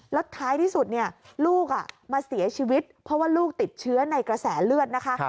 แล้วท้ายที่สุดลูกมาเสียชีวิตเพราะว่าลูกติดเชื้อในกระแสเลือดนะคะ